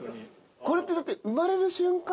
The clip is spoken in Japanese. これってだって生まれる瞬間